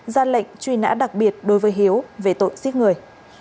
ra lệnh truy nã đặc biệt đối với hiếu về tội giết người